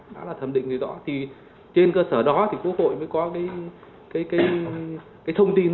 đã là thẩm định thì rõ thì trên cơ sở đó thì quốc hội mới có cái thông tin